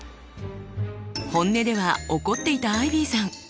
本音では怒っていたアイビーさん。